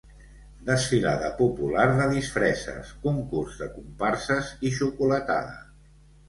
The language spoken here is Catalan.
Desfilada popular de disfresses, concurs de comparses i xocolatada.